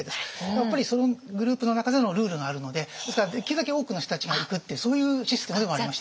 やっぱりそのグループの中でのルールがあるのでですからできるだけ多くの人たちが行くっていうそういうシステムでもありました。